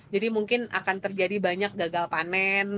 jadi mungkin akan terjadi banyak gagal panen